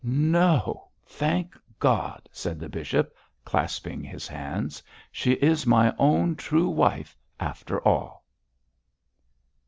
'No, thank God!' said the bishop, clasping his hands, 'she is my own true wife after all.'